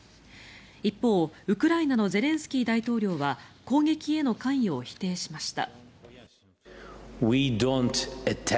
一方、ウクライナのゼレンスキー大統領は攻撃への関与を否定しました。